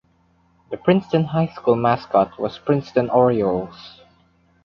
The Princeton High School mascot was Princeton Orioles.